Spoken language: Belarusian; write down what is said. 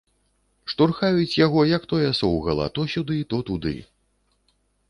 Штурхаюць яго, як тое соўгала, то сюды, то туды.